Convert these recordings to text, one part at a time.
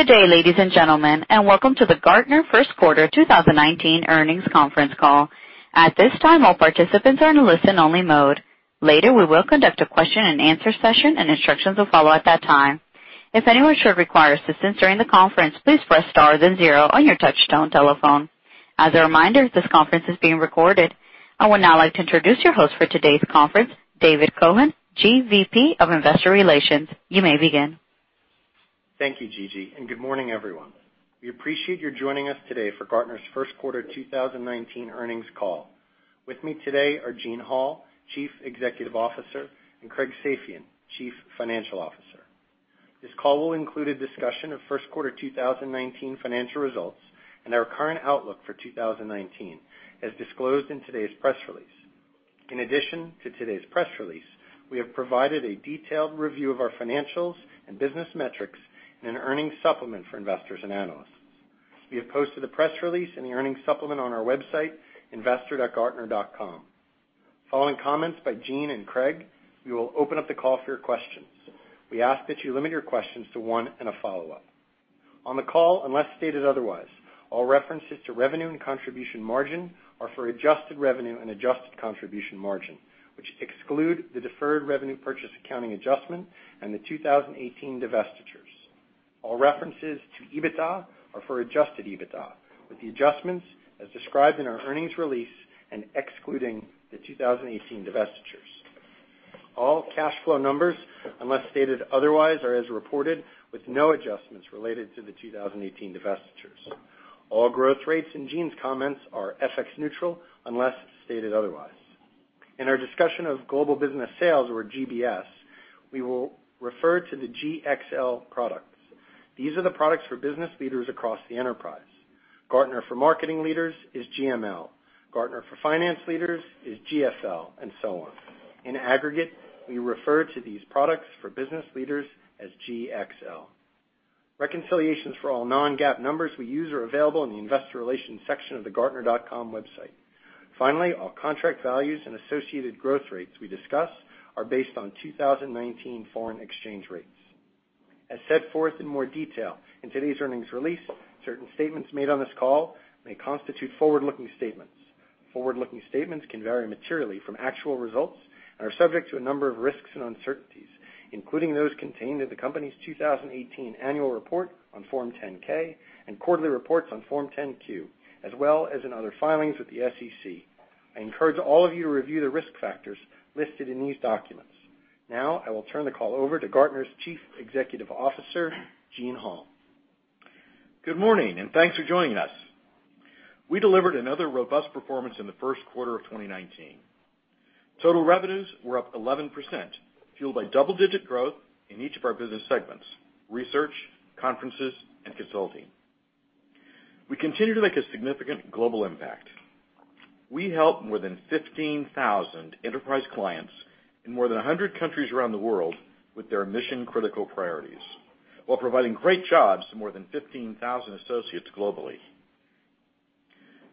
Good day, ladies and gentlemen, welcome to the Gartner first quarter 2019 earnings conference call. At this time, all participants are in a listen-only mode. Later, we will conduct a question and answer session, instructions will follow at that time. If anyone should require assistance during the conference, please press star then 0 on your touchtone telephone. As a reminder, this conference is being recorded. I would now like to introduce your host for today's conference, David Cohen, GVP of Investor Relations. You may begin. Thank you, Gigi, good morning, everyone. We appreciate you joining us today for Gartner's first quarter 2019 earnings call. With me today are Eugene Hall, Chief Executive Officer, and Craig Safian, Chief Financial Officer. This call will include a discussion of first quarter 2019 financial results and our current outlook for 2019, as disclosed in today's press release. In addition to today's press release, we have provided a detailed review of our financials and business metrics in an earnings supplement for investors and analysts. We have posted the press release and the earnings supplement on our website, investor.gartner.com. Following comments by Gene and Craig, we will open up the call for your questions. We ask that you limit your questions to one and a follow-up. On the call, unless stated otherwise, all references to revenue and contribution margin are for adjusted revenue and adjusted contribution margin, which exclude the deferred revenue purchase accounting adjustment and the 2018 divestitures. All references to EBITDA are for adjusted EBITDA, with the adjustments as described in our earnings release and excluding the 2018 divestitures. All cash flow numbers, unless stated otherwise, are as reported with no adjustments related to the 2018 divestitures. All growth rates in Gene's comments are FX neutral unless stated otherwise. In our discussion of global business sales, or GBS, we will refer to the GXL products. These are the products for business leaders across the enterprise. Gartner for marketing leaders is GML. Gartner for finance leaders is GSL, so on. In aggregate, we refer to these products for business leaders as GXL. Reconciliations for all non-GAAP numbers we use are available in the investor relations section of the gartner.com website. Finally, all contract values and associated growth rates we discuss are based on 2019 foreign exchange rates. As set forth in more detail in today's earnings release, certain statements made on this call may constitute forward-looking statements. Forward-looking statements can vary materially from actual results and are subject to a number of risks and uncertainties, including those contained in the company's 2018 annual report on Form 10-K and quarterly reports on Form 10-Q, as well as in other filings with the SEC. I encourage all of you to review the risk factors listed in these documents. Now, I will turn the call over to Gartner's Chief Executive Officer, Eugene Hall. Good morning, and thanks for joining us. We delivered another robust performance in the first quarter of 2019. Total revenues were up 11%, fueled by double-digit growth in each of our business segments, research, conferences, and consulting. We continue to make a significant global impact. We help more than 15,000 enterprise clients in more than 100 countries around the world with their mission-critical priorities while providing great jobs to more than 15,000 associates globally.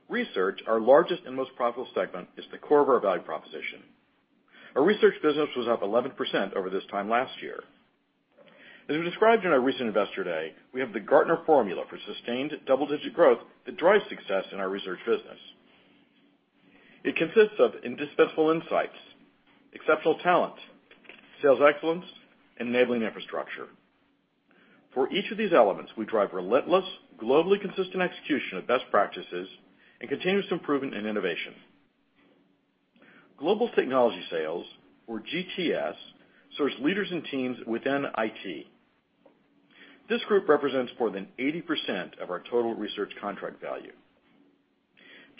Research, our largest and most profitable segment, is the core of our value proposition. Our research business was up 11% over this time last year. As we described in our recent Investor Day, we have the Gartner formula for sustained double-digit growth that drives success in our research business. It consists of indispensable insights, exceptional talent, sales excellence, and enabling infrastructure. For each of these elements, we drive relentless, globally consistent execution of best practices and continuous improvement and innovation. Global technology sales, or GTS, serves leaders and teams within IT. This group represents more than 80% of our total research contract value.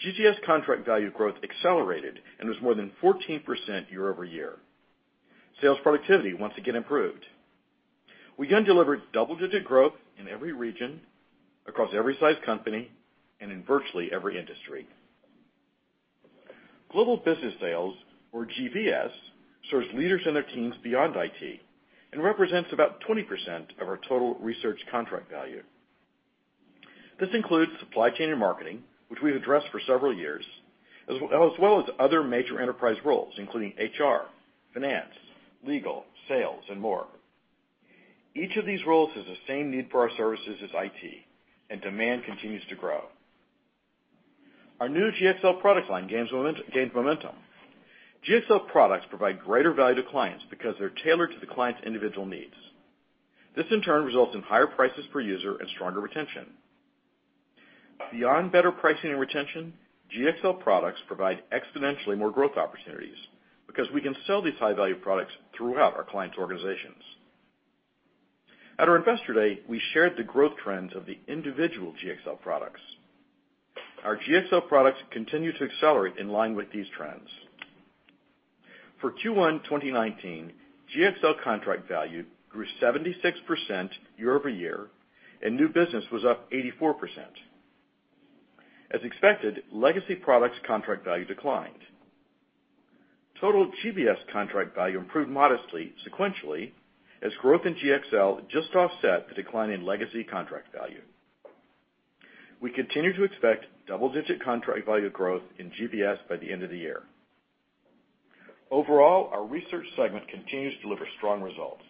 GTS contract value growth accelerated and was more than 14% year-over-year. Sales productivity once again improved. We again delivered double-digit growth in every region, across every size company, and in virtually every industry. Global business sales, or GBS, serves leaders and their teams beyond IT and represents about 20% of our total research contract value. This includes supply chain and marketing, which we've addressed for several years, as well as other major enterprise roles, including HR, finance, legal, sales, and more. Each of these roles has the same need for our services as IT, and demand continues to grow. Our new GXL product line gains momentum. GXL products provide greater value to clients because they're tailored to the client's individual needs. This, in turn, results in higher prices per user and stronger retention. Beyond better pricing and retention, GXL products provide exponentially more growth opportunities because we can sell these high-value products throughout our clients' organizations. At our Investor Day, we shared the growth trends of the individual GXL products. Our GXL products continue to accelerate in line with these trends. For Q1 2019, GXL contract value grew 76% year-over-year, and new business was up 84%. As expected, legacy products contract value declined. Total GBS contract value improved modestly sequentially as growth in GXL just offset the decline in legacy contract value. We continue to expect double-digit contract value growth in GBS by the end of the year. Overall, our research segment continues to deliver strong results.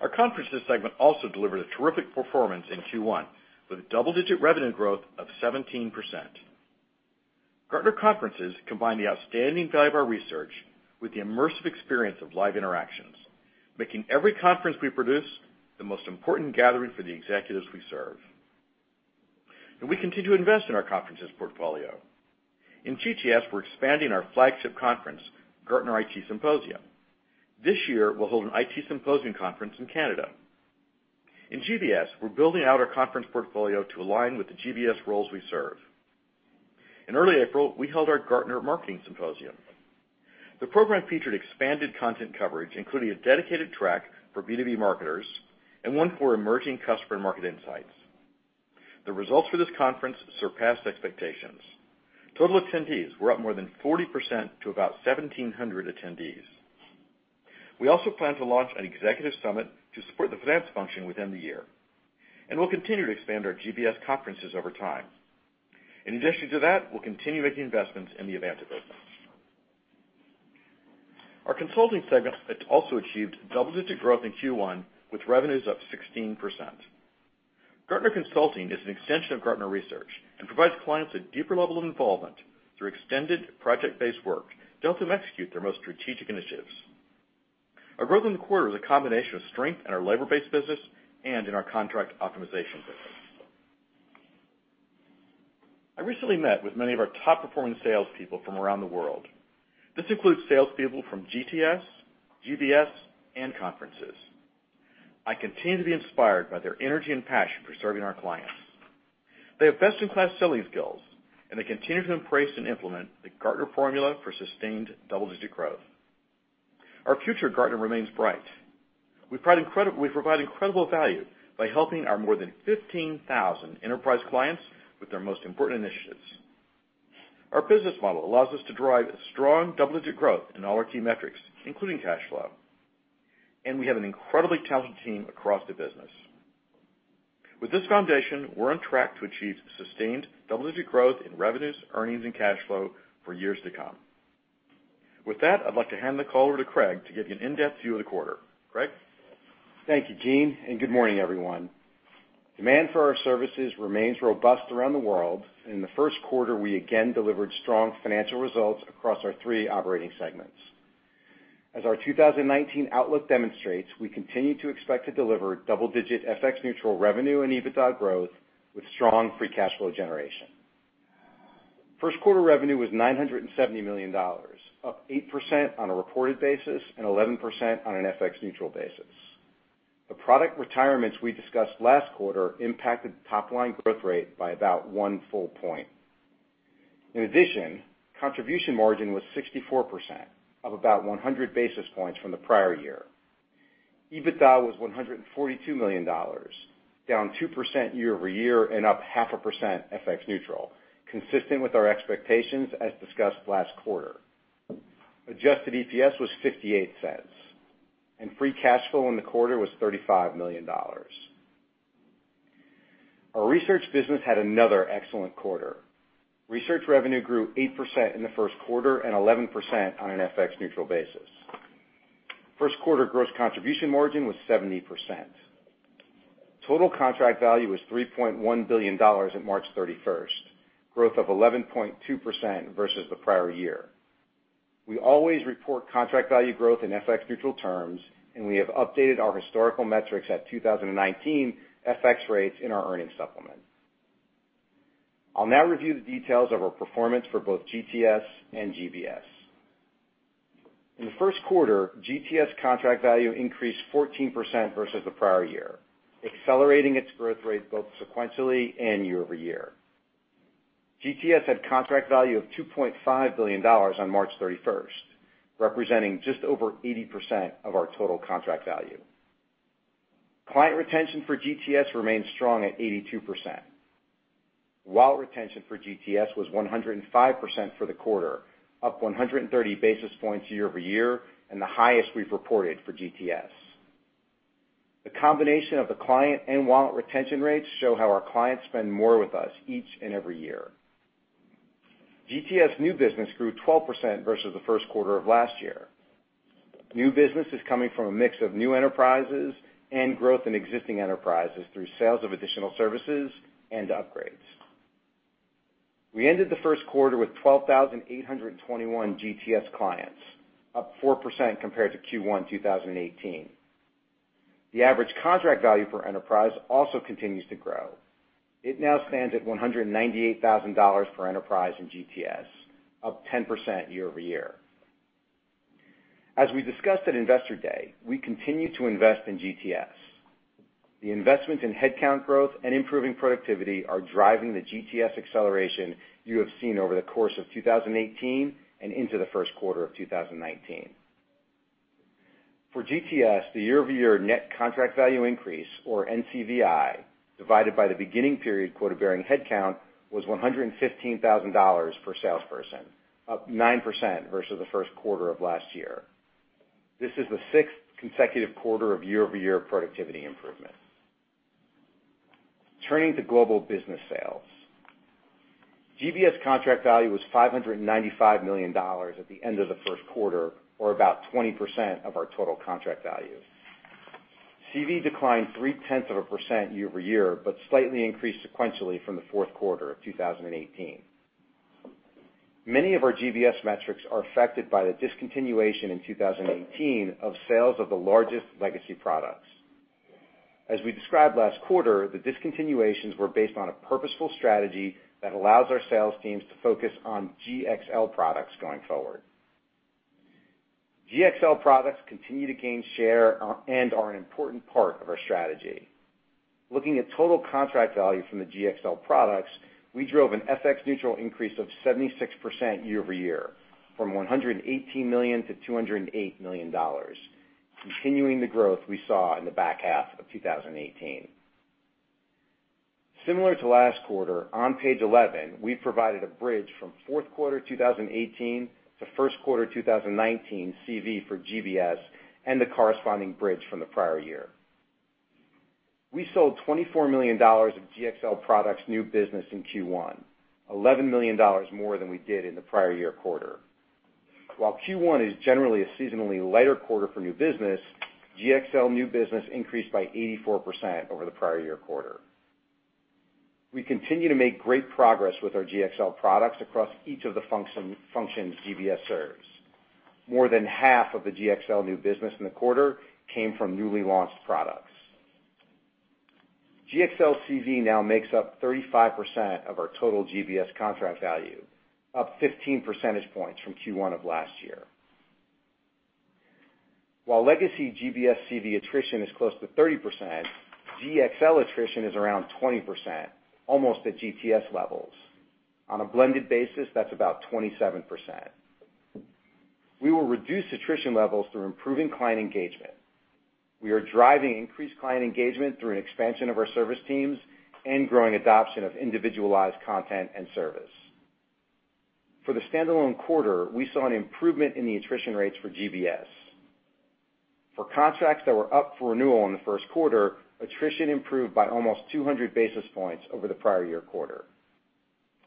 Our conferences segment also delivered a terrific performance in Q1 with a double-digit revenue growth of 17%. Gartner Conferences combine the outstanding value of our research with the immersive experience of live interactions, making every conference we produce the most important gathering for the executives we serve. We continue to invest in our conferences portfolio. In GTS, we're expanding our flagship conference, Gartner IT Symposium. This year, we'll hold an IT Symposium conference in Canada. In GBS, we're building out our conference portfolio to align with the GBS roles we serve. In early April, we held our Gartner Marketing Symposium. The program featured expanded content coverage, including a dedicated track for B2B marketers and one for emerging customer and market insights. The results for this conference surpassed expectations. Total attendees were up more than 40% to about 1,700 attendees. We also plan to launch an executive summit to support the finance function within the year. We'll continue to expand our GBS conferences over time. In addition to that, we'll continue making investments in the events business. Our consulting segment also achieved double-digit growth in Q1, with revenues up 16%. Gartner Consulting is an extension of Gartner Research and provides clients a deeper level of involvement through extended project-based work to help them execute their most strategic initiatives. Our growth in the quarter is a combination of strength in our labor-based business and in our contract optimization business. I recently met with many of our top-performing salespeople from around the world. This includes salespeople from GTS, GBS, and conferences. I continue to be inspired by their energy and passion for serving our clients. They have best-in-class selling skills. They continue to embrace and implement the Gartner formula for sustained double-digit growth. Our future at Gartner remains bright. We provide incredible value by helping our more than 15,000 enterprise clients with their most important initiatives. Our business model allows us to drive strong double-digit growth in all our key metrics, including cash flow. We have an incredibly talented team across the business. With this foundation, we're on track to achieve sustained double-digit growth in revenues, earnings, and cash flow for years to come. With that, I'd like to hand the call over to Craig to give you an in-depth view of the quarter. Craig? Thank you, Gene, and good morning, everyone. Demand for our services remains robust around the world. In the first quarter, we again delivered strong financial results across our three operating segments. As our 2019 outlook demonstrates, we continue to expect to deliver double-digit FX neutral revenue and EBITDA growth with strong free cash flow generation. First quarter revenue was $970 million, up 8% on a reported basis and 11% on an FX neutral basis. The product retirements we discussed last quarter impacted the top-line growth rate by about one full point. In addition, contribution margin was 64%, up about 100 basis points from the prior year. EBITDA was $142 million, down 2% year-over-year and up half a percent FX neutral, consistent with our expectations as discussed last quarter. Adjusted EPS was $0.58. Free cash flow in the quarter was $35 million. Our research business had another excellent quarter. Research revenue grew 8% in the first quarter and 11% on an FX neutral basis. First quarter gross contribution margin was 70%. Total contract value was $3.1 billion at March 31st, growth of 11.2% versus the prior year. We always report contract value growth in FX neutral terms. We have updated our historical metrics at 2019 FX rates in our earnings supplement. I'll now review the details of our performance for both GTS and GBS. In the first quarter, GTS contract value increased 14% versus the prior year, accelerating its growth rate both sequentially and year-over-year. GTS had contract value of $2.5 billion on March 31st, representing just over 80% of our total contract value. Client retention for GTS remains strong at 82%, while retention for GTS was 105% for the quarter, up 130 basis points year-over-year and the highest we've reported for GTS. The combination of the client and wallet retention rates show how our clients spend more with us each and every year. GTS new business grew 12% versus the first quarter of last year. New business is coming from a mix of new enterprises and growth in existing enterprises through sales of additional services and upgrades. We ended the first quarter with 12,821 GTS clients, up 4% compared to Q1 2018. The average contract value per enterprise also continues to grow. It now stands at $198,000 per enterprise in GTS, up 10% year-over-year. As we discussed at Investor Day, we continue to invest in GTS. The investments in headcount growth and improving productivity are driving the GTS acceleration you have seen over the course of 2018 and into the first quarter of 2019. For GTS, the year-over-year net contract value increase, or NCVI, divided by the beginning period quota-bearing headcount was $115,000 per salesperson, up 9% versus the first quarter of last year. This is the sixth consecutive quarter of year-over-year productivity improvement. Turning to global business sales. GBS contract value was $595 million at the end of the first quarter, or about 20% of our total contract value. CV declined three tenths of a percent year-over-year, but slightly increased sequentially from the fourth quarter of 2018. Many of our GBS metrics are affected by the discontinuation in 2018 of sales of the largest legacy products. As we described last quarter, the discontinuations were based on a purposeful strategy that allows our sales teams to focus on GXL products going forward. GXL products continue to gain share and are an important part of our strategy. Looking at total contract value from the GXL products, we drove an FX neutral increase of 76% year-over-year, from $118 million to $208 million, continuing the growth we saw in the back half of 2018. Similar to last quarter, on page 11, we provided a bridge from fourth quarter 2018 to first quarter 2019 CV for GBS and the corresponding bridge from the prior year. We sold $24 million of GXL products new business in Q1, $11 million more than we did in the prior year quarter. While Q1 is generally a seasonally lighter quarter for new business, GXL new business increased by 84% over the prior year quarter. We continue to make great progress with our GXL products across each of the functions GBS serves. More than half of the GXL new business in the quarter came from newly launched products. GXL CV now makes up 35% of our total GBS contract value, up 15 percentage points from Q1 of last year. While legacy GBS CV attrition is close to 30%, GXL attrition is around 20%, almost at GTS levels. On a blended basis, that's about 27%. We will reduce attrition levels through improving client engagement. We are driving increased client engagement through an expansion of our service teams and growing adoption of individualized content and service. For the standalone quarter, we saw an improvement in the attrition rates for GBS. For contracts that were up for renewal in the first quarter, attrition improved by almost 200 basis points over the prior year quarter.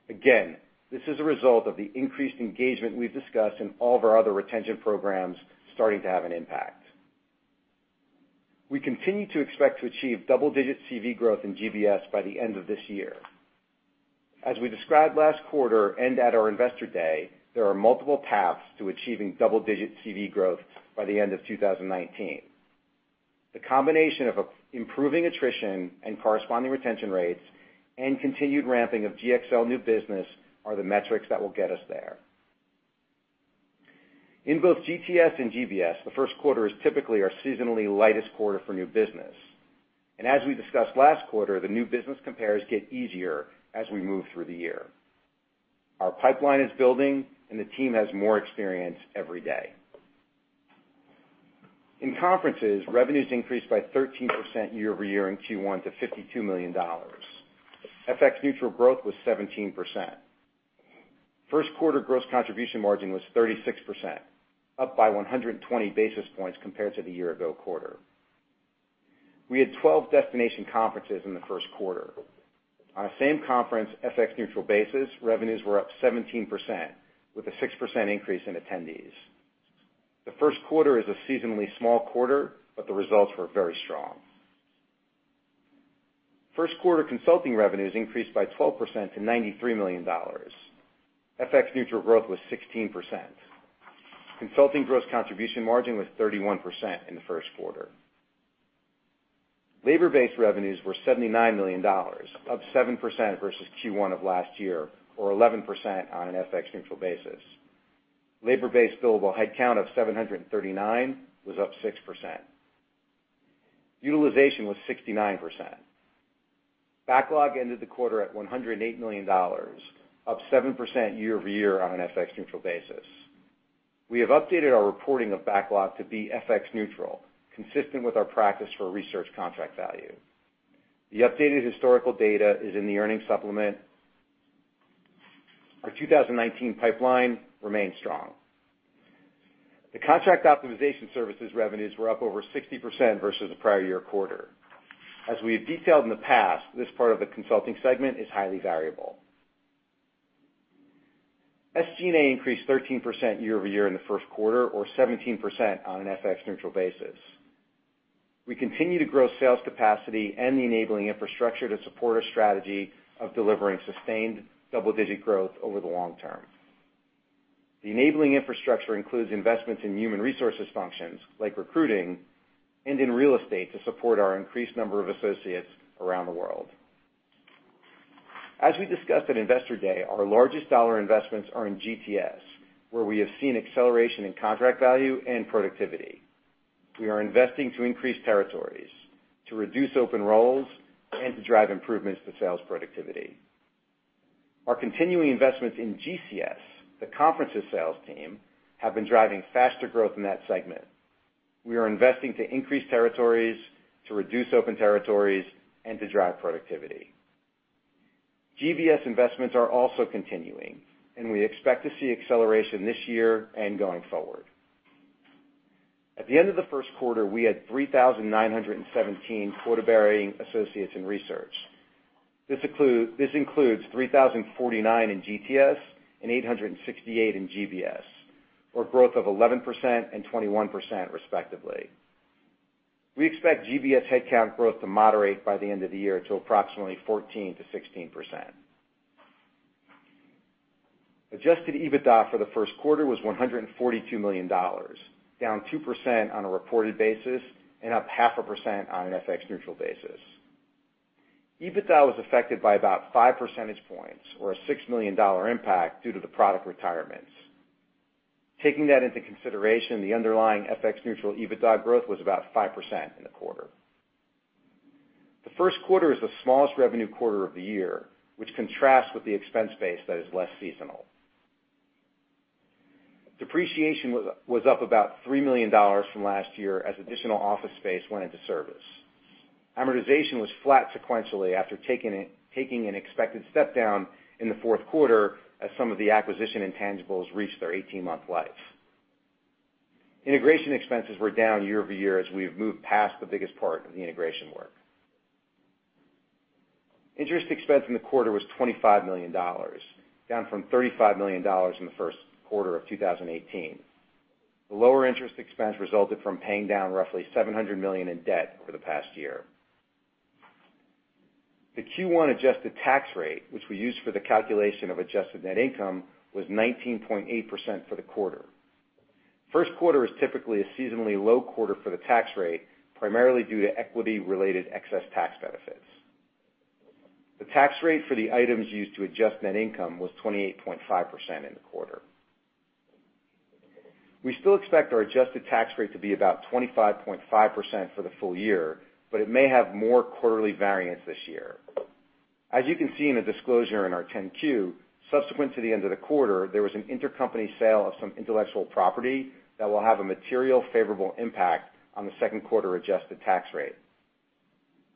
Again, this is a result of the increased engagement we've discussed in all of our other retention programs starting to have an impact. We continue to expect to achieve double-digit CV growth in GBS by the end of this year. As we described last quarter and at our Investor Day, there are multiple paths to achieving double-digit CV growth by the end of 2019. The combination of improving attrition and corresponding retention rates and continued ramping of GXL new business are the metrics that will get us there. In both GTS and GBS, the first quarter is typically our seasonally lightest quarter for new business. As we discussed last quarter, the new business compares get easier as we move through the year. Our pipeline is building, and the team has more experience every day. In conferences, revenues increased by 13% year-over-year in Q1 to $52 million. FX neutral growth was 17%. First quarter gross contribution margin was 36%, up by 120 basis points compared to the year-ago quarter. We had 12 destination conferences in the first quarter. On a same conference FX neutral basis, revenues were up 17%, with a 6% increase in attendees. The first quarter is a seasonally small quarter, but the results were very strong. First quarter consulting revenues increased by 12% to $93 million. FX neutral growth was 16%. Consulting gross contribution margin was 31% in the first quarter. Labor-based revenues were $79 million, up 7% versus Q1 of last year or 11% on an FX neutral basis. Labor-based billable headcount of 739 was up 6%. Utilization was 69%. Backlog ended the quarter at $108 million, up 7% year-over-year on an FX neutral basis. We have updated our reporting of backlog to be FX neutral, consistent with our practice for research contract value. The updated historical data is in the earnings supplement. Our 2019 pipeline remains strong. The contract optimization services revenues were up over 60% versus the prior year quarter. As we have detailed in the past, this part of the consulting segment is highly variable. SG&A increased 13% year-over-year in the first quarter or 17% on an FX neutral basis. We continue to grow sales capacity and the enabling infrastructure to support our strategy of delivering sustained double-digit growth over the long term. The enabling infrastructure includes investments in human resources functions, like recruiting and in real estate to support our increased number of associates around the world. As we discussed at Investor Day, our largest dollar investments are in GTS, where we have seen acceleration in contract value and productivity. We are investing to increase territories, to reduce open roles, and to drive improvements to sales productivity. Our continuing investments in GCS, the conferences sales team, have been driving faster growth in that segment. We are investing to increase territories, to reduce open territories, and to drive productivity. GBS investments are also continuing, and we expect to see acceleration this year and going forward. At the end of the first quarter, we had 3,917 quota-bearing associates in research. This includes 3,049 in GTS and 868 in GBS, or growth of 11% and 21% respectively. We expect GBS headcount growth to moderate by the end of the year to approximately 14%-16%. Adjusted EBITDA for the first quarter was $142 million, down 2% on a reported basis and up half a percent on an FX neutral basis. EBITDA was affected by about five percentage points or a $6 million impact due to the product retirements. Taking that into consideration, the underlying FX neutral EBITDA growth was about 5% in the quarter. The first quarter is the smallest revenue quarter of the year, which contrasts with the expense base that is less seasonal. Depreciation was up about $3 million from last year as additional office space went into service. Amortization was flat sequentially after taking an expected step down in the fourth quarter as some of the acquisition intangibles reached their 18-month life. Integration expenses were down year-over-year as we have moved past the biggest part of the integration work. Interest expense in the quarter was $25 million, down from $35 million in the first quarter of 2018. The lower interest expense resulted from paying down roughly $700 million in debt over the past year. The Q1 adjusted tax rate, which we use for the calculation of adjusted net income, was 19.8% for the quarter. First quarter is typically a seasonally low quarter for the tax rate, primarily due to equity-related excess tax benefits. The tax rate for the items used to adjust net income was 28.5% in the quarter. We still expect our adjusted tax rate to be about 25.5% for the full year, but it may have more quarterly variance this year. As you can see in the disclosure in our 10-Q, subsequent to the end of the quarter, there was an intercompany sale of some intellectual property that will have a material favorable impact on the second quarter-adjusted tax rate.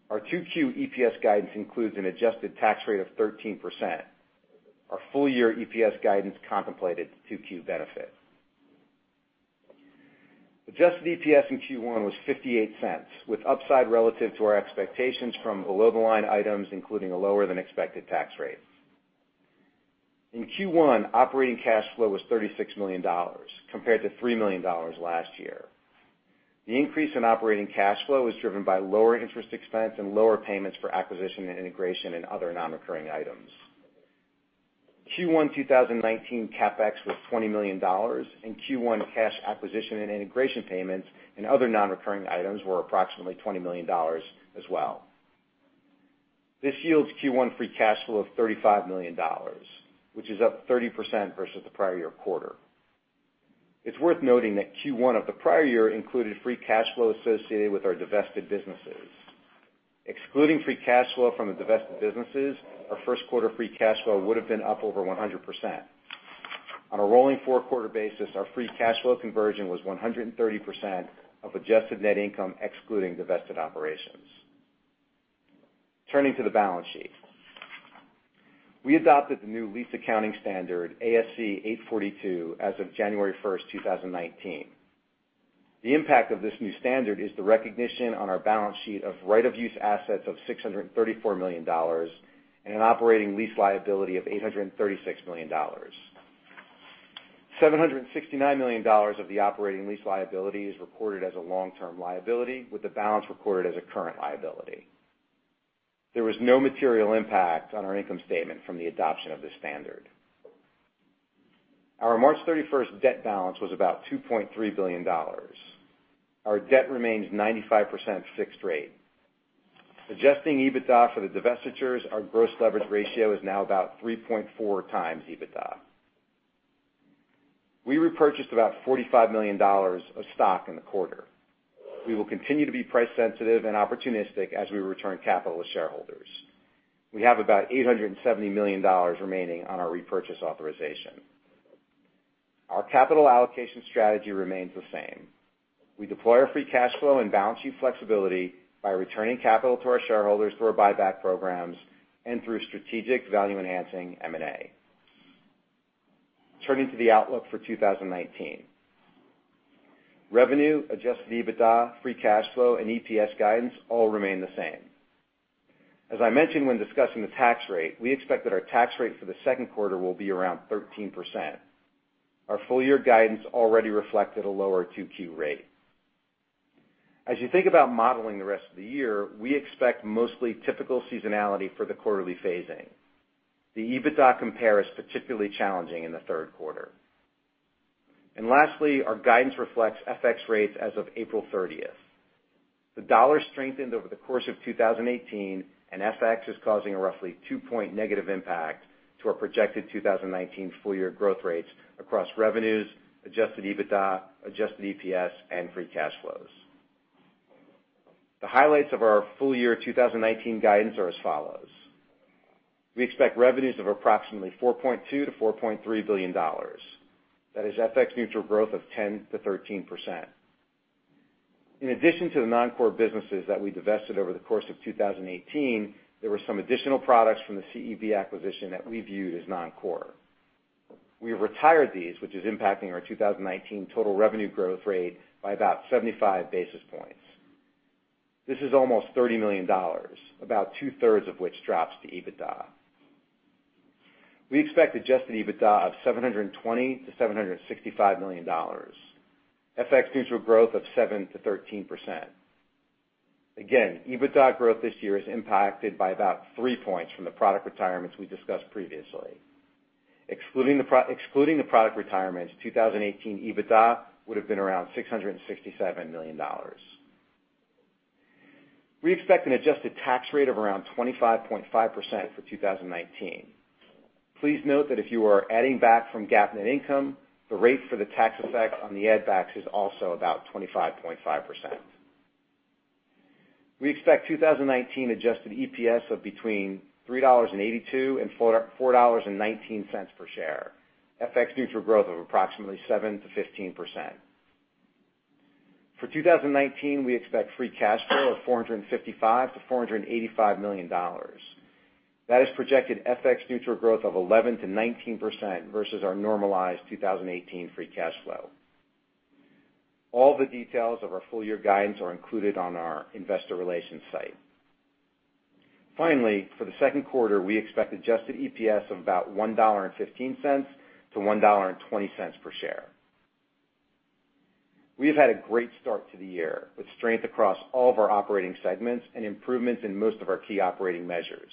Our 2Q EPS guidance includes an adjusted tax rate of 13%. Our full-year EPS guidance contemplated 2Q benefit. Adjusted EPS in Q1 was $0.58, with upside relative to our expectations from below-the-line items, including a lower than expected tax rate. In Q1, operating cash flow was $36 million, compared to $3 million last year. The increase in operating cash flow was driven by lower interest expense and lower payments for acquisition and integration and other non-recurring items. Q1 2019 CapEx was $20 million, and Q1 cash acquisition and integration payments and other non-recurring items were approximately $20 million as well. This yields Q1 free cash flow of $35 million, which is up 30% versus the prior year quarter. It's worth noting that Q1 of the prior year included free cash flow associated with our divested businesses. Excluding free cash flow from the divested businesses, our first quarter free cash flow would have been up over 100%. On a rolling four-quarter basis, our free cash flow conversion was 130% of adjusted net income excluding divested operations. Turning to the balance sheet. We adopted the new lease accounting standard, ASC 842, as of January 1st, 2019. The impact of this new standard is the recognition on our balance sheet of right of use assets of $634 million and an operating lease liability of $836 million. $769 million of the operating lease liability is reported as a long-term liability, with the balance reported as a current liability. There was no material impact on our income statement from the adoption of this standard. Our March 31 debt balance was about $2.3 billion. Our debt remains 95% fixed rate. Adjusting EBITDA for the divestitures, our gross leverage ratio is now about 3.4 times EBITDA. We repurchased about $45 million of stock in the quarter. We will continue to be price sensitive and opportunistic as we return capital to shareholders. We have about $870 million remaining on our repurchase authorization. Our capital allocation strategy remains the same. We deploy our free cash flow and balance sheet flexibility by returning capital to our shareholders through our buyback programs and through strategic value-enhancing M&A. Turning to the outlook for 2019. Revenue, adjusted EBITDA, free cash flow, and EPS guidance all remain the same. As I mentioned when discussing the tax rate, we expect that our tax rate for the second quarter will be around 13%. Our full-year guidance already reflected a lower 2Q rate. As you think about modeling the rest of the year, we expect mostly typical seasonality for the quarterly phasing. The EBITDA compare is particularly challenging in the third quarter. Lastly, our guidance reflects FX rates as of April 30. The dollar strengthened over the course of 2018, and FX is causing a roughly two-point negative impact to our projected 2019 full year growth rates across revenues, adjusted EBITDA, adjusted EPS, and free cash flows. The highlights of our full year 2019 guidance are as follows. We expect revenues of approximately $4.2 billion-$4.3 billion. That is FX neutral growth of 10%-13%. In addition to the non-core businesses that we divested over the course of 2018, there were some additional products from the CEB acquisition that we viewed as non-core. We have retired these, which is impacting our 2019 total revenue growth rate by about 75 basis points. This is almost $30 million, about two-thirds of which drops to EBITDA. We expect adjusted EBITDA of $720 million-$765 million, FX neutral growth of 7%-13%. Again, EBITDA growth this year is impacted by about three points from the product retirements we discussed previously. Excluding the product retirements, 2018 EBITDA would've been around $667 million. We expect an adjusted tax rate of around 25.5% for 2019. Please note that if you are adding back from GAAP net income, the rate for the tax effect on the add backs is also about 25.5%. We expect 2019 adjusted EPS of between $3.82 and $4.19 per share, FX-neutral growth of approximately 7%-15%. For 2019, we expect free cash flow of $455 million-$485 million. That is projected FX neutral growth of 11%-19% versus our normalized 2018 free cash flow. All the details of our full year guidance are included on our investor relations site. Finally, for the second quarter, we expect adjusted EPS of about $1.15-$1.20 per share. We have had a great start to the year, with strength across all of our operating segments and improvements in most of our key operating measures.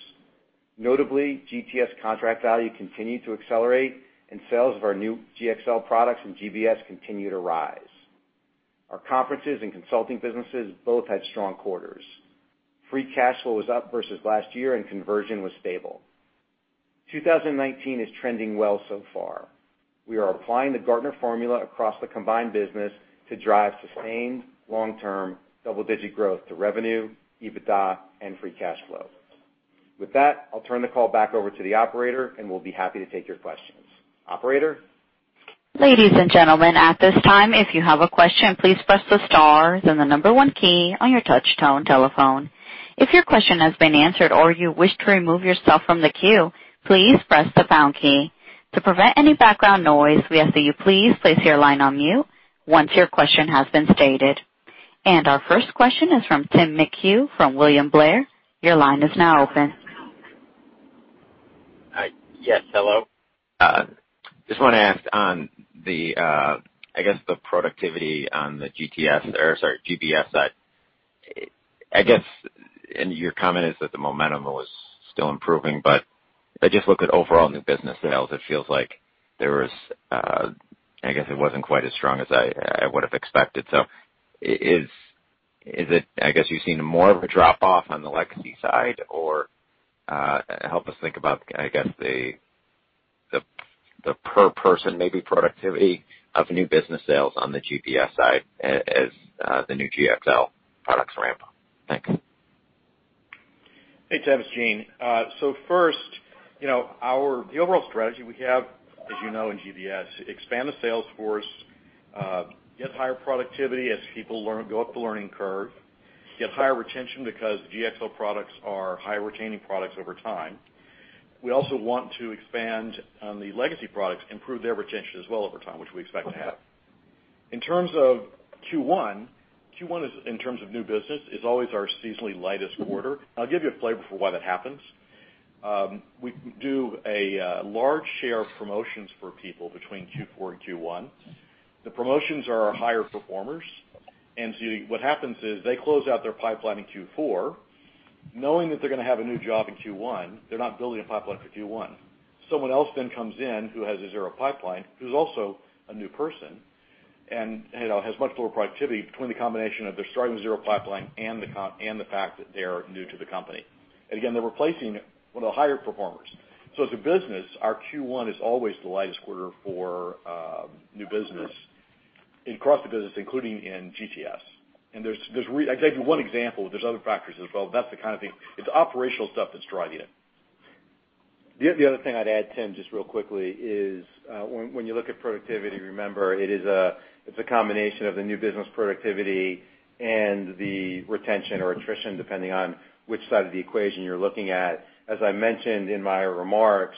Notably, GTS contract value continued to accelerate, and sales of our new GXL products and GBS continue to rise. Our conferences and consulting businesses both had strong quarters. Free cash flow was up versus last year, and conversion was stable. 2019 is trending well so far. We are applying the Gartner formula across the combined business to drive sustained long-term double-digit growth to revenue, EBITDA, and free cash flow. With that, I'll turn the call back over to the operator, and we'll be happy to take your questions. Operator? Ladies and gentlemen, at this time, if you have a question, please press the star then the 1 key on your touch tone telephone. If your question has been answered or you wish to remove yourself from the queue, please press the pound key. To prevent any background noise, we ask that you please place your line on mute once your question has been stated. Our first question is from Tim McHugh from William Blair. Your line is now open. Hi. Yes, hello. Just want to ask on the, I guess, the productivity on the GTS or, sorry, GBS side. I guess, and your comment is that the momentum was still improving, but I just looked at overall new business sales. It feels like I guess it wasn't quite as strong as I would've expected. Is it, I guess, you've seen more of a drop-off on the legacy side, or help us think about, I guess, the per person maybe productivity of new business sales on the GBS side as the new GXL products ramp up. Thank you. Hey, Tim, it's Gene. First, the overall strategy we have, as you know in GBS, expand the sales force, get higher productivity as people go up the learning curve, get higher retention because GXL products are higher retaining products over time. We also want to expand on the legacy products, improve their retention as well over time, which we expect to have. In terms of Q1 is, in terms of new business, is always our seasonally lightest quarter. I'll give you a a flavor for why that happens. We do a large share of promotions for people between Q4 and Q1. The promotions are our higher performers, what happens is they close out their pipeline in Q4. Knowing that they're going to have a new job in Q1, they're not building a pipeline for Q1. Someone else then comes in who has a zero pipeline, who's also a new person, and has much lower productivity between the combination of they're starting with zero pipeline and the fact that they are new to the company. Again, they're replacing one of the higher performers. As a business, our Q1 is always the lightest quarter for new business across the business, including in GTS. I can tell you one example, there's other factors as well, but that's the kind of thing. It's operational stuff that's driving it. The other thing I'd add, Tim, just real quickly, is when you look at productivity, remember, it's a combination of the new business productivity and the retention or attrition, depending on which side of the equation you're looking at. As I mentioned in my remarks,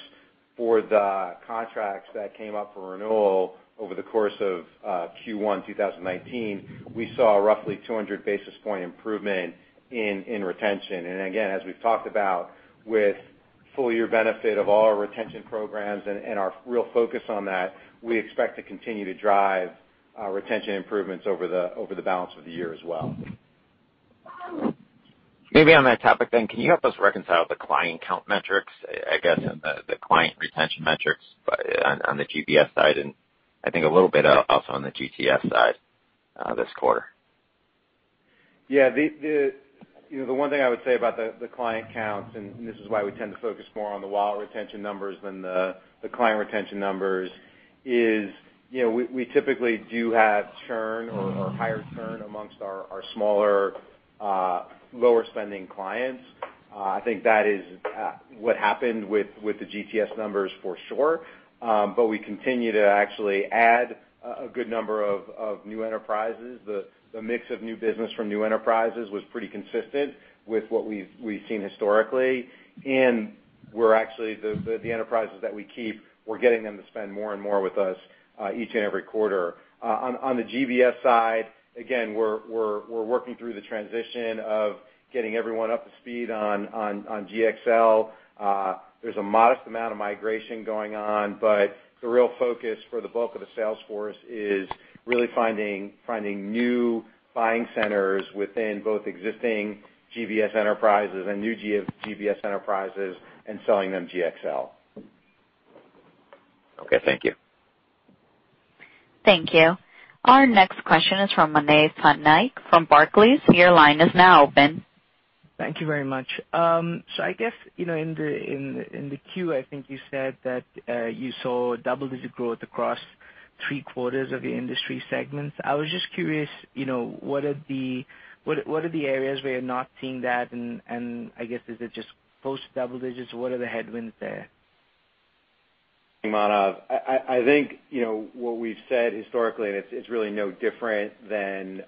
for the contracts that came up for renewal over the course of Q1 2019, we saw a roughly 200 basis point improvement in retention. Again, as we've talked about with full year benefit of all our retention programs and our real focus on that, we expect to continue to drive retention improvements over the balance of the year as well. Maybe on that topic then, can you help us reconcile the client count metrics, I guess, and the client retention metrics on the GBS side and I think a little bit also on the GTS side this quarter? Yeah. The one thing I would say about the client counts, and this is why we tend to focus more on the wallet retention numbers than the client retention numbers, is we typically do have churn or higher churn amongst our smaller, lower-spending clients. I think that is what happened with the GTS numbers for sure. We continue to actually add a good number of new enterprises. The mix of new business from new enterprises was pretty consistent with what we've seen historically. The enterprises that we keep, we're getting them to spend more and more with us each and every quarter. On the GBS side, again, we're working through the transition of getting everyone up to speed on GXL. There's a modest amount of migration going on. The real focus for the bulk of the sales force is really finding new buying centers within both existing GBS enterprises and new GBS enterprises, and selling them GXL. Okay, thank you. Thank you. Our next question is from Manav Patnaik from Barclays. Your line is now open. Thank you very much. I guess, in the queue, I think you said that you saw double-digit growth across three quarters of your industry segments. I was just curious, what are the areas where you're not seeing that and, I guess, is it just close to double digits? What are the headwinds there? Manav, I think what we've said historically, it's really no different than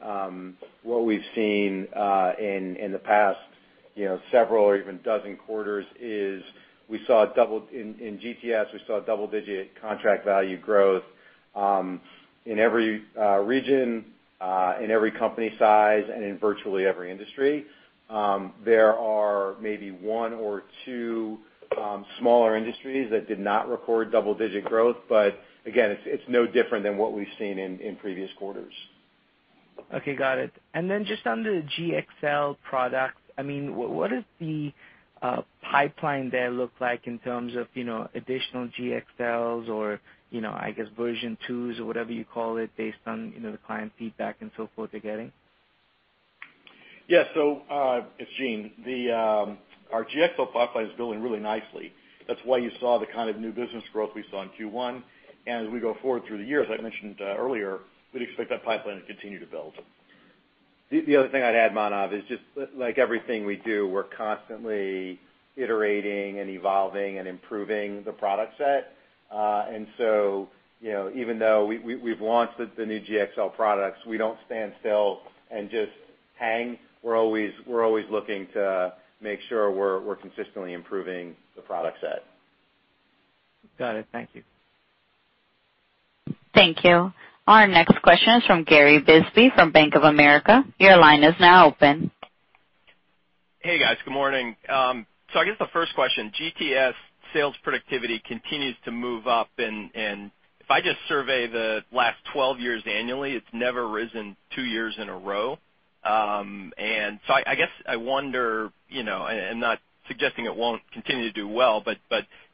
what we've seen in the past several or even dozen quarters, is in GTS, we saw double-digit contract value growth, in every region, in every company size, and in virtually every industry. There are maybe one or two smaller industries that did not report double-digit growth, but again, it's no different than what we've seen in previous quarters. Okay. Got it. Then just on the GXL products, what does the pipeline there look like in terms of additional GXLs or, I guess, version 2s or whatever you call it, based on the client feedback and so forth they're getting? Yeah. It's Gene. Our GXL pipeline is building really nicely. That's why you saw the kind of new business growth we saw in Q1. As we go forward through the year, as I mentioned earlier, we'd expect that pipeline to continue to build. The other thing I'd add, Manav, is just like everything we do, we're constantly iterating and evolving and improving the product set. So even though we've launched the new GXL products, we don't stand still and just hang. We're always looking to make sure we're consistently improving the product set. Got it. Thank you. Thank you. Our next question is from Gary Bisbee from Bank of America. Your line is now open. Hey, guys. Good morning. I guess the first question, GTS sales productivity continues to move up, and if I just survey the last 12 years annually, it's never risen two years in a row. I guess I wonder, and not suggesting it won't continue to do well, but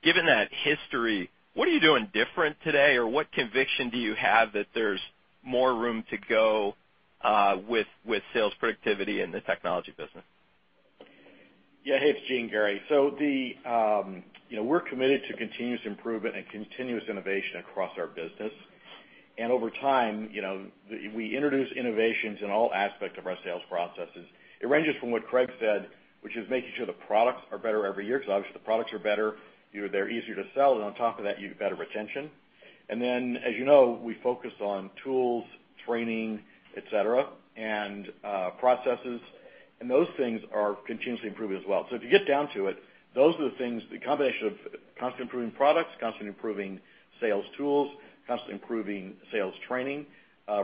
given that history, what are you doing different today, or what conviction do you have that there's more room to go with sales productivity in the technology business? Yeah. Hey, it's Gene, Gary. We're committed to continuous improvement and continuous innovation across our business. Over time, we introduce innovations in all aspects of our sales processes. It ranges from what Craig said, which is making sure the products are better every year, because obviously the products are better, they're easier to sell, and on top of that, you get better retention. Then, as you know, we focus on tools, training, et cetera, and processes, and those things are continuously improving as well. If you get down to it, those are the things, the combination of constantly improving products, constantly improving sales tools, constantly improving sales training,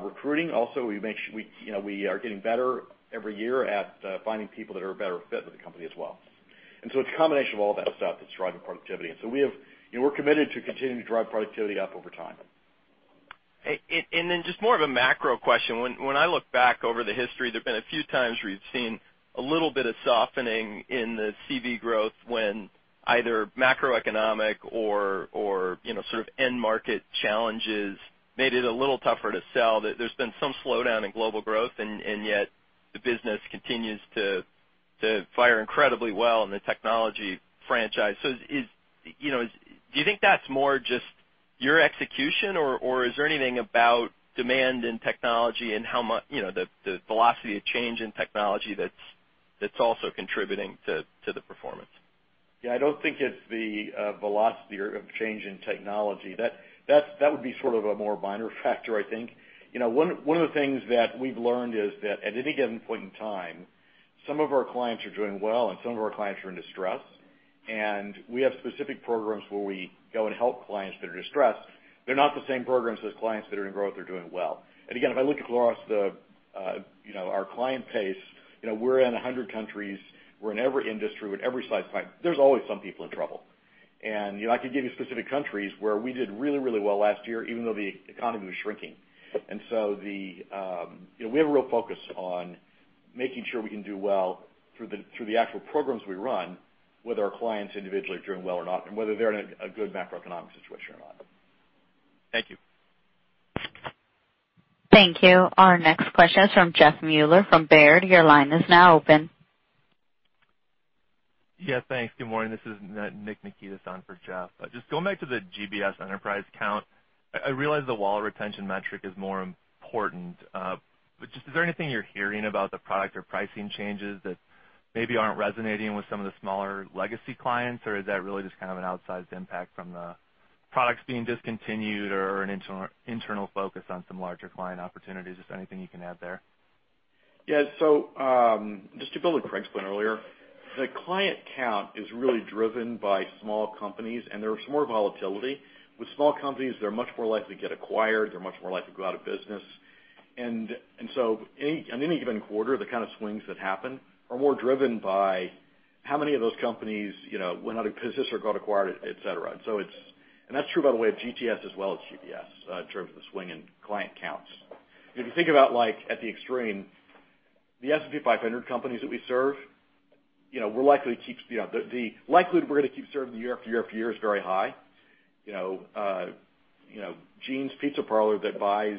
recruiting. Also, we are getting better every year at finding people that are a better fit with the company as well. It's a combination of all that stuff that's driving productivity. We're committed to continuing to drive productivity up over time. Just more of a macro question. When I look back over the history, there've been a few times where we've seen a little bit of softening in the CV growth when either macroeconomic or sort of end market challenges made it a little tougher to sell. There's been some slowdown in global growth, and yet the business continues to fire incredibly well in the technology franchise. Do you think that's more just your execution, or is there anything about demand and technology and the velocity of change in technology that's also contributing to the performance? Yeah, I don't think it's the velocity of change in technology. That would be sort of a more minor factor, I think. One of the things that we've learned is that at any given point in time, some of our clients are doing well, and some of our clients are in distress. We have specific programs where we go and help clients that are distressed. They're not the same programs as clients that are in growth or doing well. Again, if I look across our client base, we're in 100 countries. We're in every industry with every size client. There's always some people in trouble. I could give you specific countries where we did really well last year, even though the economy was shrinking. We have a real focus on making sure we can do well through the actual programs we run, whether our clients individually are doing well or not, and whether they're in a good macroeconomic situation or not. Thank you. Thank you. Our next question is from Jeff Meuler from Baird. Your line is now open. Thanks. Good morning. This is Nick Nikitas on for Jeff. Just going back to the GBS enterprise count, I realize the wallet retention metric is more important. Just, is there anything you're hearing about the product or pricing changes that maybe aren't resonating with some of the smaller legacy clients? Is that really just kind of an outsized impact from the products being discontinued or an internal focus on some larger client opportunities? Just anything you can add there? Just to build what Craig explained earlier, the client count is really driven by small companies, and there is more volatility. With small companies, they're much more likely to get acquired, they're much more likely to go out of business. On any given quarter, the kind of swings that happen are more driven by how many of those companies went out of business or got acquired, et cetera. That's true, by the way, of GTS as well as GBS, in terms of the swing in client counts. If you think about at the extreme, the S&P 500 companies that we serve, the likelihood we're going to keep serving year after year after year is very high. Gene's Pizza Parlor that buys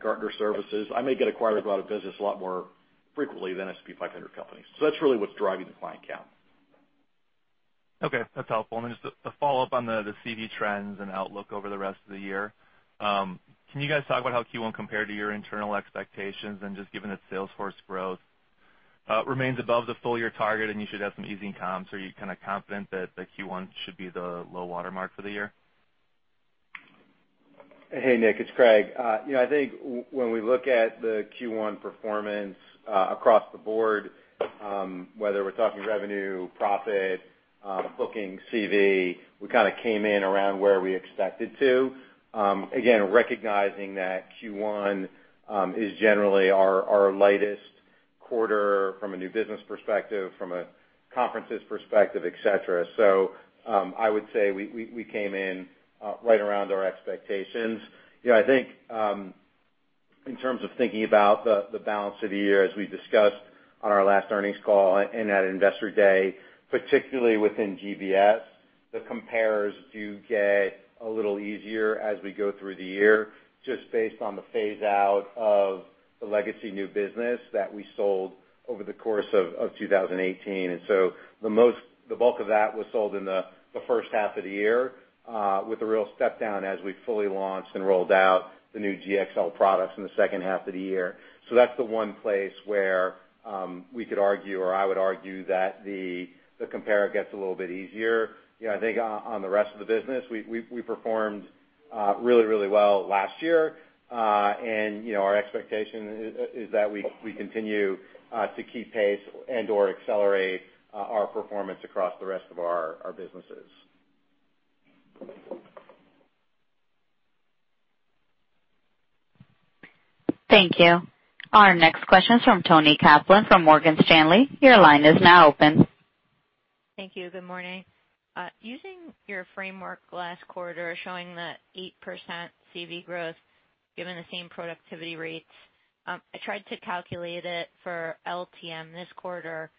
Gartner services, I may get acquired or go out of business a lot more frequently than S&P 500 companies. That's really what's driving the client count. Okay, that's helpful. Then just a follow-up on the CV trends and outlook over the rest of the year. Can you guys talk about how Q1 compared to your internal expectations and just given its sales force growth remains above the full-year target and you should have some easing comps, are you confident that Q1 should be the low water mark for the year? Hey, Nick, it's Craig. I think when we look at the Q1 performance across the board, whether we're talking revenue, profit, booking CV, we came in around where we expected to. Again, recognizing that Q1 is generally our lightest quarter from a new business perspective, from a conferences perspective, et cetera. I would say we came in right around our expectations. I think in terms of thinking about the balance of the year as we discussed on our last earnings call and at Investor Day, particularly within GBS, the compares do get a little easier as we go through the year, just based on the phase out of the legacy new business that we sold over the course of 2018. The bulk of that was sold in the first half of the year, with a real step down as we fully launched and rolled out the new GXL products in the second half of the year. That's the one place where we could argue, or I would argue, that the compare gets a little bit easier. I think on the rest of the business, we performed really well last year. Our expectation is that we continue to keep pace and/or accelerate our performance across the rest of our businesses. Thank you. Our next question is from Toni Kaplan from Morgan Stanley. Your line is now open. Thank you. Good morning. Using your framework last quarter showing the 8% CV growth given the same productivity rates, I tried to calculate it for LTM this quarter,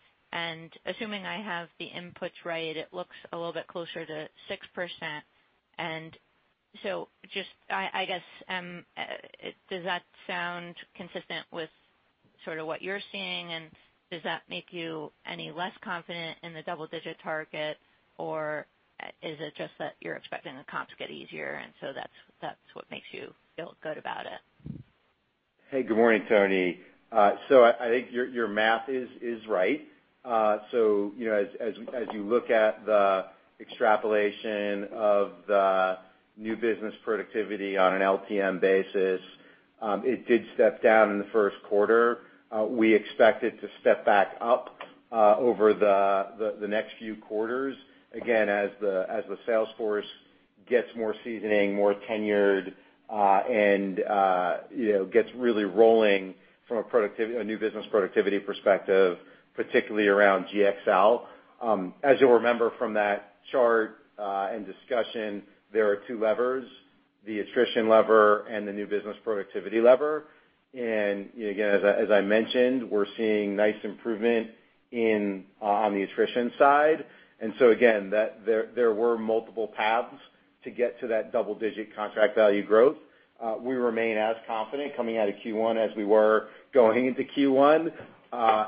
assuming I have the inputs right, it looks a little bit closer to 6%. Just, I guess, does that sound consistent with what you're seeing, and does that make you any less confident in the double-digit target, or is it just that you're expecting the comps to get easier, and so that's what makes you feel good about it? Hey, good morning, Toni. I think your math is right. As you look at the extrapolation of the new business productivity on an LTM basis, it did step down in the first quarter. We expect it to step back up over the next few quarters, again, as the sales force gets more seasoning, more tenured, and gets really rolling from a new business productivity perspective, particularly around GXL. As you'll remember from that chart and discussion, there are two levers, the attrition lever and the new business productivity lever. Again, as I mentioned, we're seeing nice improvement on the attrition side. Again, there were multiple paths to get to that double-digit contract value growth. We remain as confident coming out of Q1 as we were going into Q1.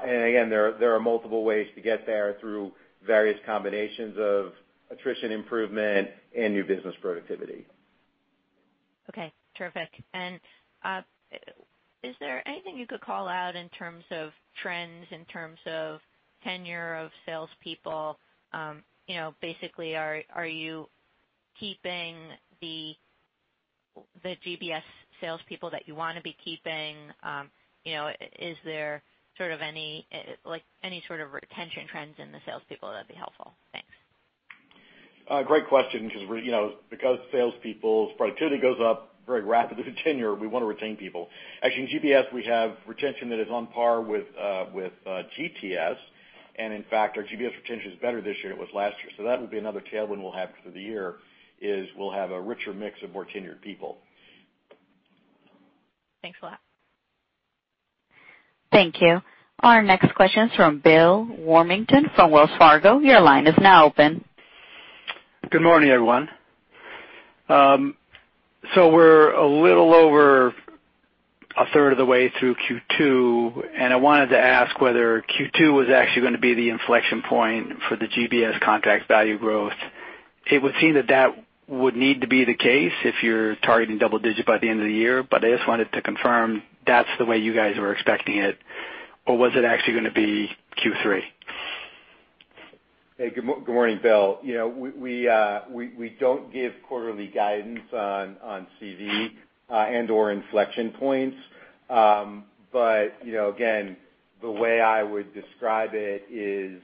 Again, there are multiple ways to get there through various combinations of attrition improvement and new business productivity. Okay, terrific. Is there anything you could call out in terms of trends, in terms of tenure of salespeople? Basically, are you keeping the GBS salespeople that you want to be keeping? Is there any sort of retention trends in the salespeople that'd be helpful? Thanks. Great question, because salespeople's productivity goes up very rapidly with tenure. We want to retain people. Actually, in GBS, we have retention that is on par with GTS, and in fact, our GBS retention is better this year than it was last year. That would be another tailwind we'll have for the year, is we'll have a richer mix of more tenured people. Thanks a lot. Thank you. Our next question is from Bill Warmington from Wells Fargo. Your line is now open. Good morning, everyone. We're a little over a third of the way through Q2, and I wanted to ask whether Q2 was actually going to be the inflection point for the GBS contract value growth. It would seem that that would need to be the case if you're targeting double-digit by the end of the year, I just wanted to confirm that's the way you guys were expecting it. Was it actually going to be Q3? Hey, good morning, Bill. We don't give quarterly guidance on CV, and/or inflection points. Again, the way I would describe it is,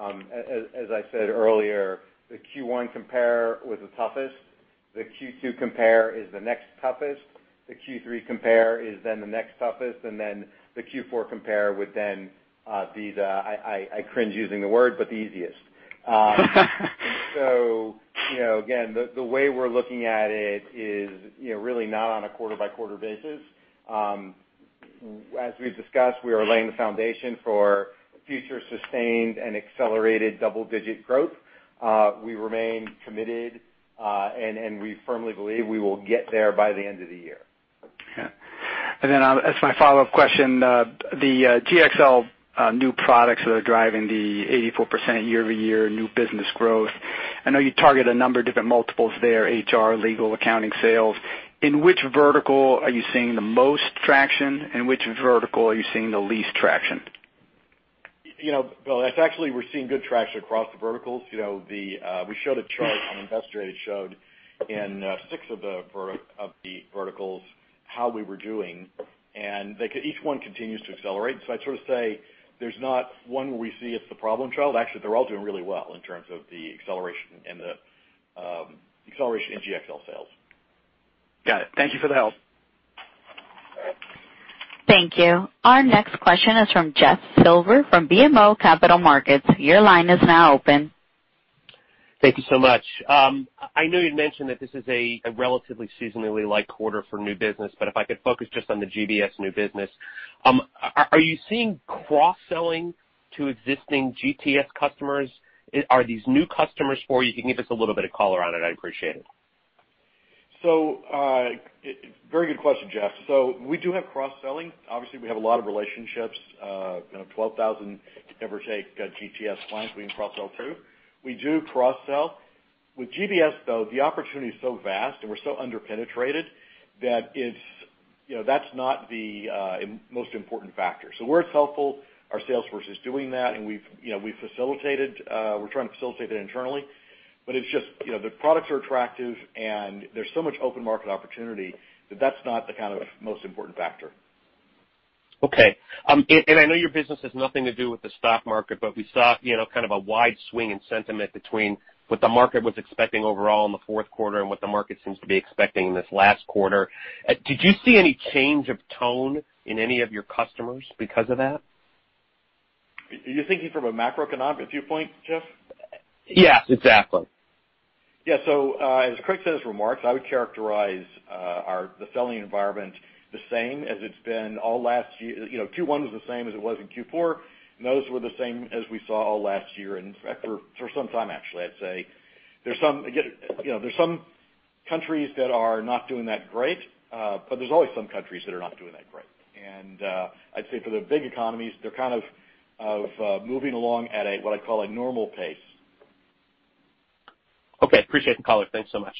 as I said earlier, the Q1 compare was the toughest. The Q2 compare is the next toughest. The Q3 compare is the next toughest, the Q4 compare would then be the, I cringe using the word, the easiest. Again, the way we're looking at it is really not on a quarter-by-quarter basis. As we've discussed, we are laying the foundation for future sustained and accelerated double-digit growth. We remain committed, we firmly believe we will get there by the end of the year. Okay. As my follow-up question, the GXL new products that are driving the 84% year-over-year new business growth, I know you target a number of different multiples there, HR, legal, accounting, sales. In which vertical are you seeing the most traction, which vertical are you seeing the least traction? Bill, it's actually, we're seeing good traction across the verticals. We showed a chart on Investor Day that showed in six of the verticals, how we were doing, each one continues to accelerate. I'd sort of say there's not one where we see it's the problem child. Actually, they're all doing really well in terms of the acceleration in GXL sales. Got it. Thank you for the help. Thank you. Our next question is from Jeff Silber, from BMO Capital Markets. Your line is now open. Thank you so much. I know you'd mentioned that this is a relatively seasonally light quarter for new business, if I could focus just on the GBS new business. Are you seeing cross-selling to existing GTS customers? Are these new customers for you? If you can give us a little bit of color on it, I'd appreciate it. Very good question, Jeff. We do have cross-selling. Obviously, we have a lot of relationships, 12,000, give or take, GTS clients we can cross-sell to. We do cross-sell. With GBS, though, the opportunity is so vast, and we're so under-penetrated, that's not the most important factor. Where it's helpful, our sales force is doing that, and we're trying to facilitate that internally. The products are attractive, and there's so much open market opportunity that that's not the most important factor. Okay. I know your business has nothing to do with the stock market, but we saw kind of a wide swing in sentiment between what the market was expecting overall in the fourth quarter and what the market seems to be expecting in this last quarter. Did you see any change of tone in any of your customers because of that? Are you thinking from a macroeconomic viewpoint, Jeff? Yes, exactly. Yeah. As Craig said his remarks, I would characterize the selling environment the same as it's been all last year. Q1 was the same as it was in Q4, and those were the same as we saw all last year. For some time, actually, I'd say. There's some countries that are not doing that great. There's always some countries that are not doing that great. I'd say for the big economies, they're kind of moving along at what I'd call a normal pace. Okay. Appreciate the color. Thanks so much.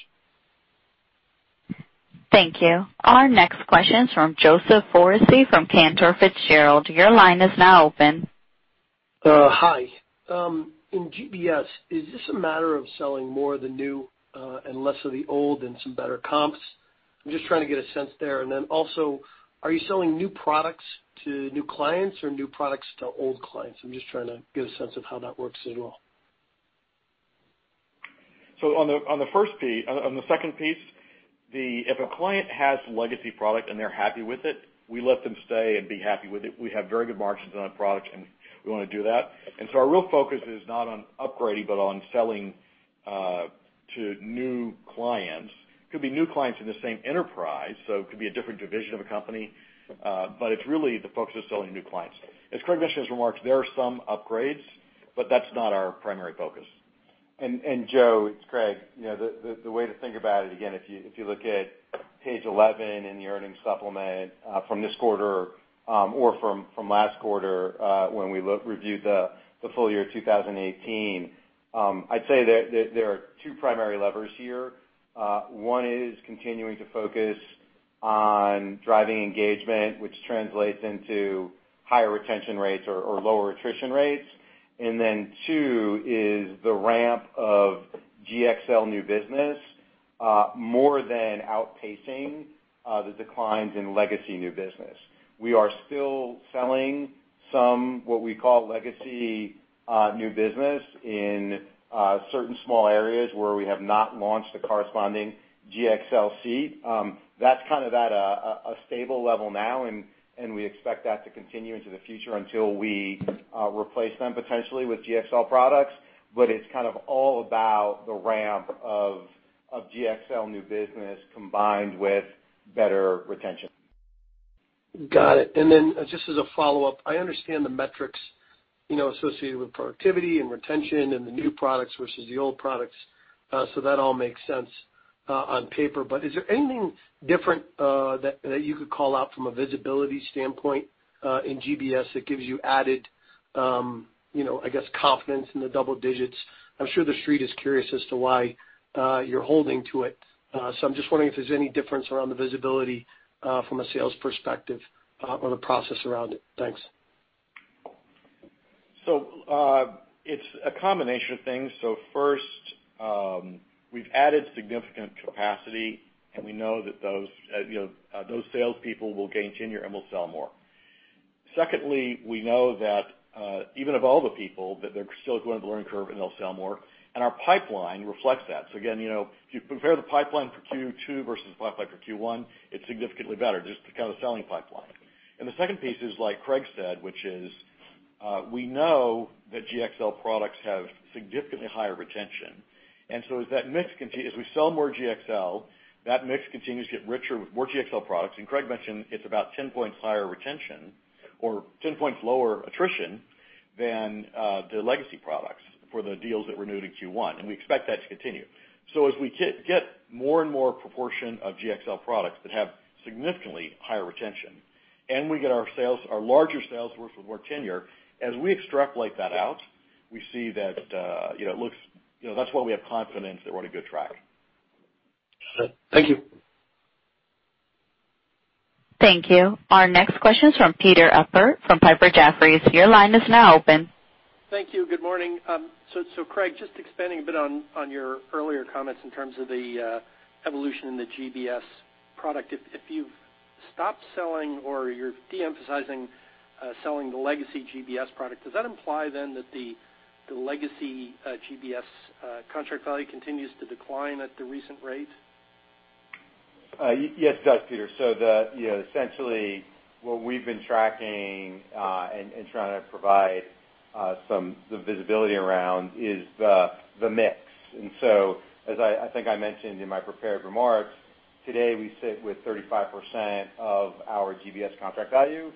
Thank you. Our next question is from Joseph Foresi from Cantor Fitzgerald. Your line is now open. Hi. In GBS, is this a matter of selling more of the new and less of the old and some better comps? I'm just trying to get a sense there. Then also, are you selling new products to new clients or new products to old clients? I'm just trying to get a sense of how that works as well. On the second piece, if a client has legacy product and they're happy with it, we let them stay and be happy with it. We have very good margins on that product, and we want to do that. Our real focus is not on upgrading but on selling to new clients. Could be new clients in the same enterprise, so it could be a different division of a company. It's really the focus is selling to new clients. As Craig mentioned in his remarks, there are some upgrades, but that's not our primary focus. Joe, it's Craig. The way to think about it, again, if you look at page 11 in the earnings supplement from this quarter, or from last quarter, when we reviewed the full year 2018, I'd say that there are two primary levers here. One is continuing to focus on driving engagement, which translates into higher retention rates or lower attrition rates. Two is the ramp of GXL new business more than outpacing the declines in legacy new business. We are still selling some, what we call legacy new business in certain small areas where we have not launched the corresponding GXL seat. That's kind of at a stable level now, and we expect that to continue into the future until we replace them potentially with GXL products. It's kind of all about the ramp of GXL new business combined with better retention. Got it. Just as a follow-up, I understand the metrics associated with productivity and retention and the new products versus the old products. That all makes sense on paper. Is there anything different that you could call out from a visibility standpoint in GBS that gives you added, I guess, confidence in the double digits I'm sure the street is curious as to why you're holding to it. I'm just wondering if there's any difference around the visibility from a sales perspective or the process around it. Thanks. It's a combination of things. First, we've added significant capacity, and we know that those salespeople will gain tenure and will sell more. Secondly, we know that even of all the people, that they're still going up the learning curve, and they'll sell more, and our pipeline reflects that. Again, if you compare the pipeline for Q2 versus the pipeline for Q1, it's significantly better, just because of the selling pipeline. The second piece is, like Craig said, which is, we know that GXL products have significantly higher retention. As we sell more GXL, that mix continues to get richer with more GXL products. Craig mentioned it's about 10 points higher retention or 10 points lower attrition than the legacy products for the deals that renewed in Q1, and we expect that to continue. As we get more and more proportion of GXL products that have significantly higher retention, and we get our larger sales force with more tenure, as we extrapolate that out, we see that's why we have confidence that we're on a good track. Thank you. Thank you. Our next question is from Peter Appert from Piper Jaffray. Your line is now open. Thank you. Good morning. Craig, just expanding a bit on your earlier comments in terms of the evolution in the GBS product. If you've stopped selling or you're de-emphasizing selling the legacy GBS product, does that imply then that the legacy GBS contract value continues to decline at the recent rate? Yes, it does, Peter. Essentially, what we've been tracking and trying to provide some visibility around is the mix. As I think I mentioned in my prepared remarks, today, we sit with 35% of our GBS contract value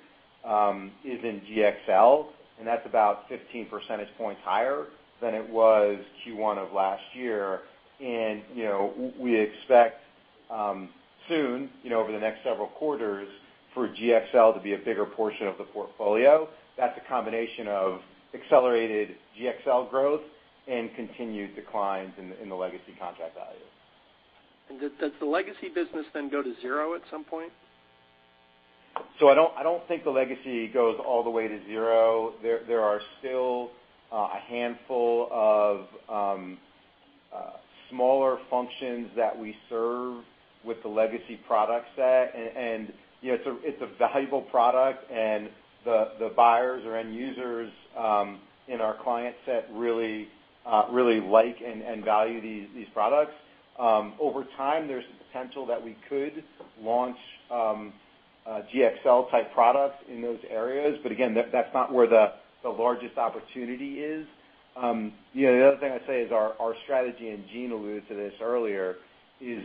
is in GXL, and that's about 15 percentage points higher than it was Q1 of last year. We expect soon, over the next several quarters, for GXL to be a bigger portion of the portfolio. That's a combination of accelerated GXL growth and continued declines in the legacy contract value. Does the legacy business then go to zero at some point? I don't think the legacy goes all the way to zero. There are still a handful of smaller functions that we serve with the legacy product set. It's a valuable product, and the buyers or end users in our client set really like and value these products. Over time, there's the potential that we could launch GXL-type products in those areas, but again, that's not where the largest opportunity is. The other thing I'd say is our strategy, and Gene alluded to this earlier, is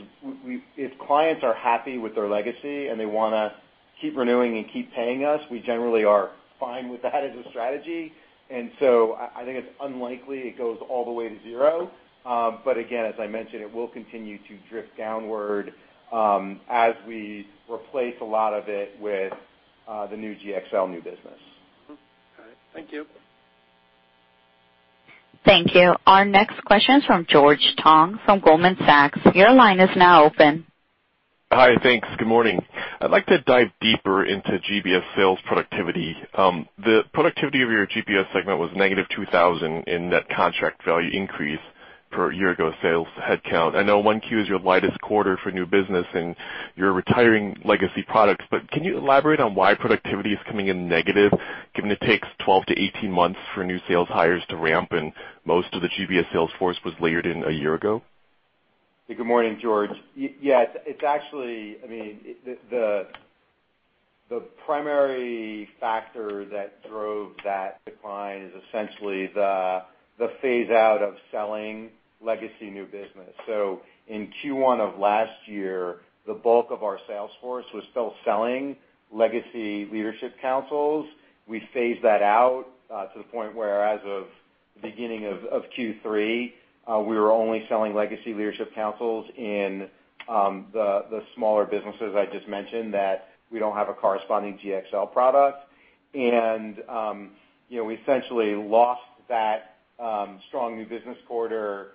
if clients are happy with their legacy and they want to keep renewing and keep paying us, we generally are fine with that as a strategy. I think it's unlikely it goes all the way to zero. Again, as I mentioned, it will continue to drift downward as we replace a lot of it with the new GXL new business. All right. Thank you. Thank you. Our next question is from George Tong from Goldman Sachs. Your line is now open. Hi. Thanks. Good morning. I'd like to dive deeper into GBS sales productivity. The productivity of your GBS segment was negative 2,000 in net contract value increase per year-ago sales headcount. I know Q1 is your lightest quarter for new business, and you're retiring legacy products, but can you elaborate on why productivity is coming in negative, given it takes 12 to 18 months for new sales hires to ramp and most of the GBS sales force was layered in a year ago? Good morning, George. Yeah. The primary factor that drove that decline is essentially the phase-out of selling legacy new business. In Q1 of last year, the bulk of our sales force was still selling legacy leadership councils. We phased that out to the point where as of beginning of Q3, we were only selling legacy leadership councils in the smaller businesses I just mentioned that we don't have a corresponding GXL product. We essentially lost that strong new business quarter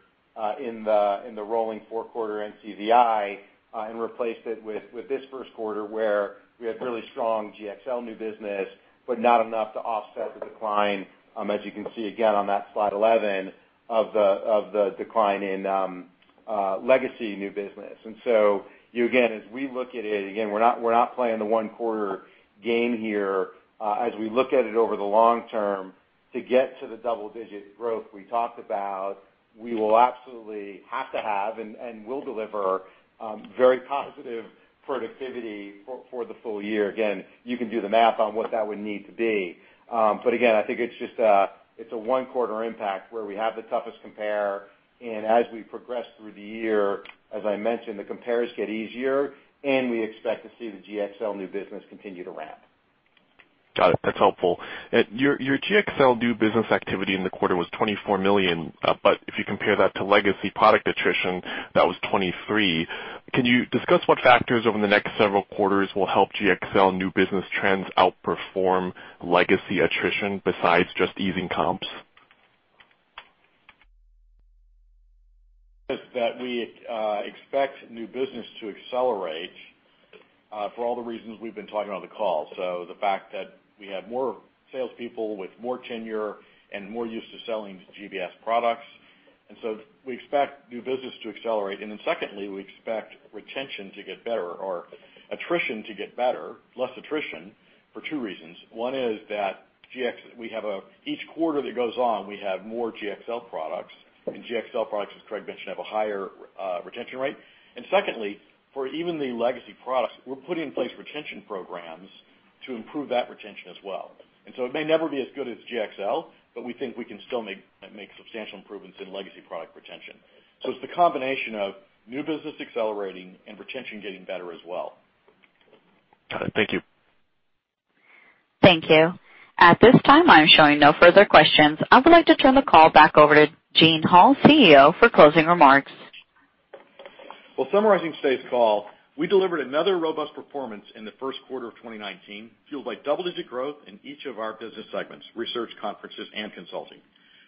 in the rolling four-quarter NCVI and replaced it with this first quarter, where we had really strong GXL new business, but not enough to offset the decline, as you can see again on that slide 11, of the decline in legacy new business. Again, as we look at it, again, we're not playing the one-quarter game here. As we look at it over the long term to get to the double-digit growth we talked about, we will absolutely have to have and will deliver very positive productivity for the full year. Again, you can do the math on what that would need to be. Again, I think it's a one-quarter impact where we have the toughest compare, and as we progress through the year, as I mentioned, the compares get easier, and we expect to see the GXL new business continue to ramp. Got it. That's helpful. Your GXL new business activity in the quarter was $24 million. If you compare that to legacy product attrition, that was $23. Can you discuss what factors over the next several quarters will help GXL new business trends outperform legacy attrition besides just easing comps? That we expect new business to accelerate for all the reasons we've been talking on the call. The fact that we have more salespeople with more tenure and more used to selling GBS products, we expect new business to accelerate. Secondly, we expect retention to get better, or attrition to get better, less attrition, for two reasons. One is that each quarter that goes on, we have more GXL products, GXL products, as Craig mentioned, have a higher retention rate. Secondly, for even the legacy products, we're putting in place retention programs to improve that retention as well. It may never be as good as GXL, but we think we can still make substantial improvements in legacy product retention. It's the combination of new business accelerating and retention getting better as well. Got it. Thank you. Thank you. At this time, I'm showing no further questions. I would like to turn the call back over to Gene Hall, CEO, for closing remarks. Well, summarizing today's call, we delivered another robust performance in the first quarter of 2019, fueled by double-digit growth in each of our business segments, Research, Conferences, and Consulting.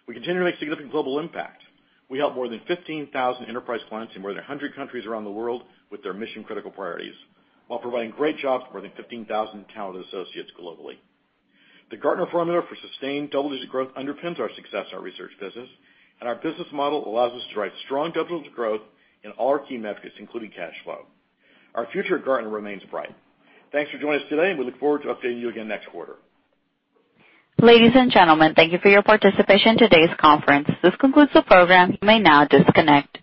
We continue to make significant global impact. We help more than 15,000 enterprise clients in more than 100 countries around the world with their mission-critical priorities while providing great jobs for more than 15,000 talented associates globally. The Gartner formula for sustained double-digit growth underpins our success in our Research business, and our business model allows us to drive strong double-digit growth in all our key metrics, including cash flow. Our future at Gartner remains bright. Thanks for joining us today, and we look forward to updating you again next quarter. Ladies and gentlemen, thank you for your participation in today's conference. This concludes the program. You may now disconnect.